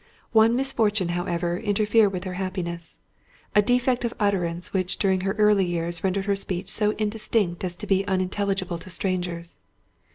One misfortune, however, interfered with her happiness—a defect of utterance which during her early years rendered her speech so indistinct as to be unintelligible to strangers.